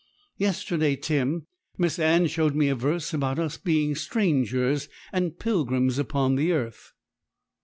Yesterday, Tim, Miss Anne showed me a verse about us being strangers and pilgrims upon the earth.'